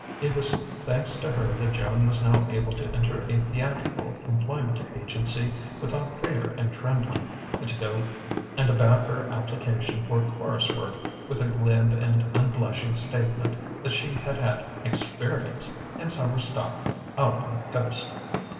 It was thanks to her that Joan was now able to enter a theatrical employment agency without fear and trembling, and to back her application for chorus work with a glib and unblushing statement that she had had experience "in summer stock out on the Coast."